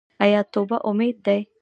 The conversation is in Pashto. آیا توبه امید دی؟